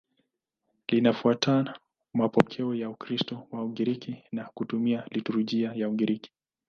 Linafuata mapokeo ya Ukristo wa Ugiriki na kutumia liturujia ya Ugiriki.